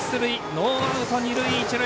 ノーアウト、二塁一塁。